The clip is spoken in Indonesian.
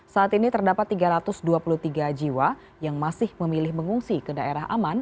saat ini terdapat tiga ratus dua puluh tiga jiwa yang masih memilih mengungsi ke daerah aman